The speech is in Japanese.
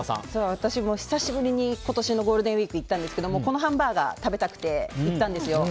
私も久しぶりに今年のゴールデンウィーク行ったんですがこのハンバーガーを食べたくて行ったんですよ。